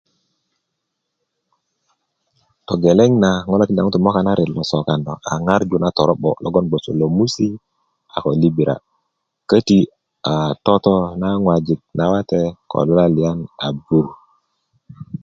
togeleŋ na ŋo' na tikinda ŋutu' yi moka na ret lo sokan na a ŋarju na toro'bo' lo gboŋ geti lomusi köti' ko toto na ŋojik nawate ko luwaliyan a bur